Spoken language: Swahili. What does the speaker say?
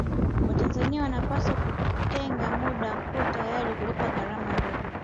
Watanzania wanapaswa kutenga muda na kuwa tayari kulipia gharama ndogo